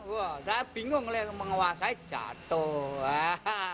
wah saya bingung menguasai jatuh